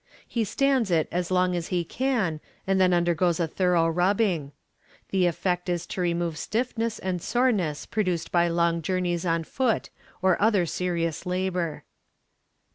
He stands it as long as he can, and then undergoes a thorough rubbing. The effect is to remove stiffness and soreness produced by long journeys on foot, or other serious labor.